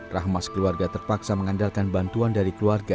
rahma sekeluarga terpaksa mengandalkan bantuan dari keluarga